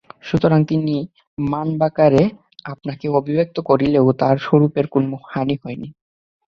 সুতরাং তিনি মানবাকারে আপনাকে অভিব্যক্ত করলেও তাঁর স্বরূপের কোন হানি হয় না।